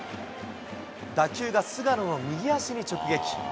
打球が菅野の右足に直撃。